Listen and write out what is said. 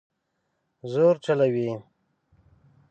زور چلوي